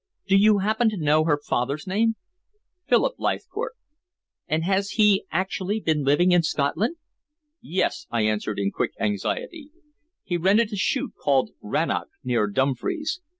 "Do you happen to know her father's name?" "Philip Leithcourt." "And has he actually been living in Scotland?" "Yes," I answered in quick anxiety. "He rented a shoot called Rannoch, near Dumfries.